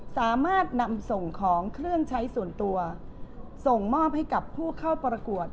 สามารถนำส่งของเครื่องใช้ส่วนตัวส่งมอบให้กับผู้เข้าประกวด